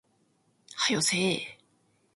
早よせえ